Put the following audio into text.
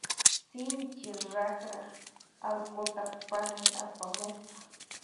Sinchi raqraq allquta panay apamusqa.